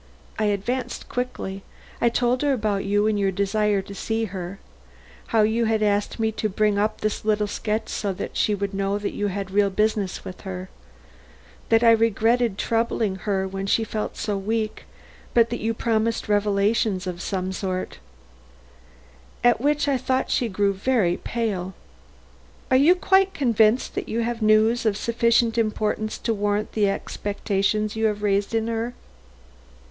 I advanced quickly. I told her about you and your desire to see her; how you had asked me to bring her up this little sketch so that she would know that you had real business with her; that I regretted troubling her when she felt so weak, but that you promised revelations or some such thing at which I thought she grew very pale. Are you quite convinced that you have news of sufficient importance to warrant the expectations you have raised in her?"